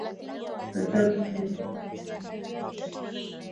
okeo ukikubuka pakistani ina kashfa